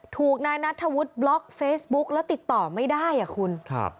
ถูกนายนัทธวุฒิบล็อกเฟซบุ๊กแล้วติดต่อไม่ได้อ่ะคุณครับ